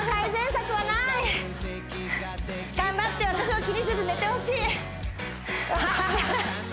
頑張って私を気にせず寝てほしいははは